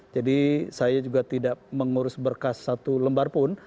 jadi saya juga tidak mengurus berkas satu lembar pun